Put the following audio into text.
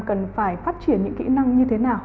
cần phải phát triển những kỹ năng như thế nào